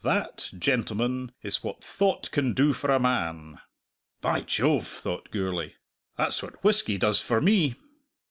That, gentlemen, is what thought can do for a man." "By Jove," thought Gourlay, "that's what whisky does for me!"